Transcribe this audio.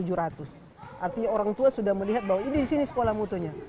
artinya orang tua sudah melihat bahwa ini di sini sekolah mutunya